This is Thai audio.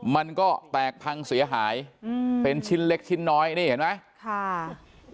มันก็แตกพังเสียหายอืมเป็นชิ้นเล็กชิ้นน้อยนี่เห็นไหมค่ะ